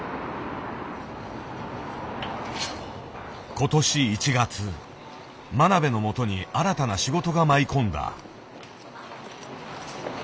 今年１月真鍋のもとに新たな仕事が舞い込んだ。